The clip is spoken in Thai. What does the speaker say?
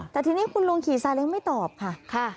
แต่ทีนี้คุณลุงขี่ซาเล้งไม่ตอบค่ะ